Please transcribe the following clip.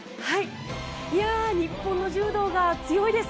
日本の柔道が強いです。